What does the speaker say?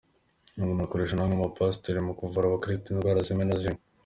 Ibi binakoreshwa na bamwe mu ba pasitori mu kuvura abakirisitu indwara zimwe na zimwe.